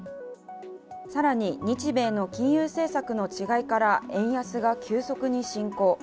更に日米の金融政策の違いから円安が急速に進行。